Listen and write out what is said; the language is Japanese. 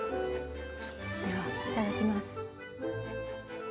では、いただきます。